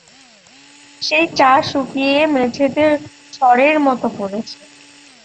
সেই চা শুকিয়ে মেঝেতে সরের মতো পড়েছে।